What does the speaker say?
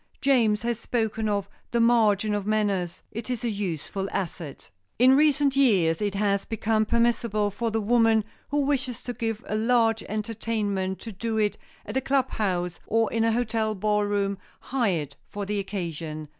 James has spoken of "the margin of manners,"—it is a useful asset. In recent years it has become permissible for the woman who wishes to give a large entertainment to do it at a club house or in a hotel ballroom hired for the occasion.